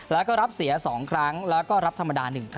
แล้วก็รับเสีย๒ครั้งแล้วก็รับธรรมดา๑ครั้ง